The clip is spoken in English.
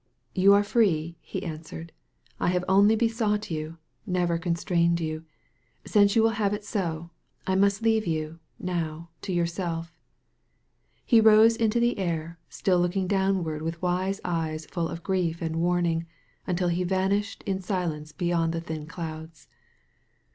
"You are free," he answered. "I have only be sought you, never constrained you. Since you will have it so, I must leave you, now, to yourself." He rose into the air, still looking downward with wise eyes full of grief and warning, until he van ished in silence beyond the thin clouds.